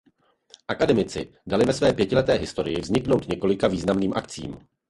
Akademici dali ve své pětileté historii vzniknout několika významným akcím.